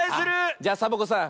じゃサボ子さん